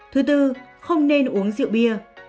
thứ bốn không nên uống rượu bia